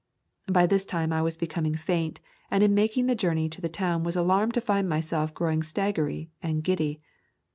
By this time I was becoming faint, and in making the journey to the town was alarmed to find myself growing staggery and giddy.